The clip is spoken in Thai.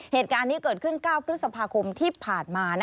เหตุการณ์นี้เกิดขึ้น๙พฤษภาคมที่ผ่านมา